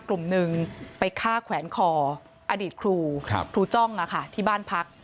กลุ่มหนึ่งไปฆ่าแขวนคออดีตครูครูจ้องที่บ้านพัก